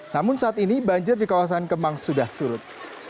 namun saat ini banjir di kawasan kemang sudah surut